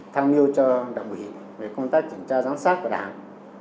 thăng miêu cho đảng ủy về công tác kiểm tra giám sát của đảng